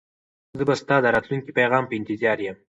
زه به ستا د راتلونکي پیغام په انتظار یم.